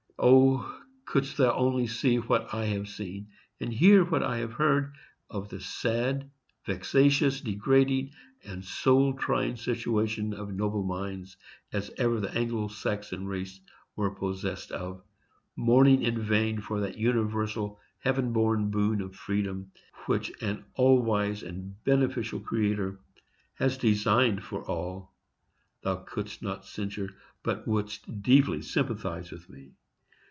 O, couldst thou only see what I have seen, and hear what I have heard, of the sad, vexatious, degrading, and soul trying situation of as noble minds as ever the Anglo Saxon race were possessed of, mourning in vain for that universal heaven born boon of freedom, which an all wise and beneficent Creator has designed for all, thou couldst not censure, but wouldst deeply sympathize with me!